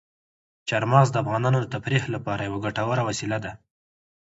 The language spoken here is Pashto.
چار مغز د افغانانو د تفریح لپاره یوه ګټوره وسیله ده.